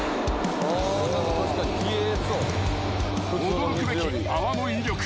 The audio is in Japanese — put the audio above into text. ［驚くべき泡の威力］